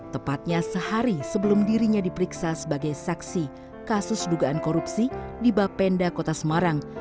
tepatnya sehari sebelum dirinya diperiksa sebagai saksi kasus dugaan korupsi di bapenda kota semarang